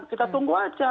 kita tunggu aja